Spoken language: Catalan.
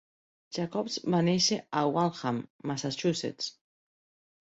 Jacobs va néixer a Waltham, Massachusetts.